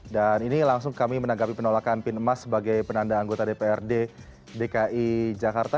dan ini langsung kami menanggapi penolakan pin emas sebagai penanda anggota dprd dki jakarta